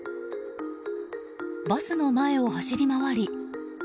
バスの前を走り回り。